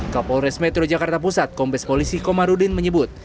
kapolres metro jakarta pusat kombes polisi komarudin menyebut